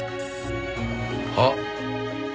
あっ。